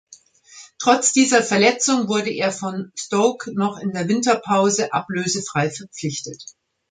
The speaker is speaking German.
Trotz dieser Verletzung wurde er von Stoke noch in der Winterpause ablösefrei verpflichtet.